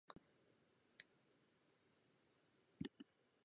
北海道歌志内市